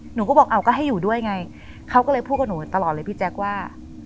หนูก็บอกเอาก็ให้อยู่ด้วยไงเขาก็เลยพูดกับหนูตลอดเลยพี่แจ๊คว่า